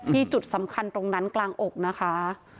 จุดสำคัญตรงนั้นกลางอกนะคะ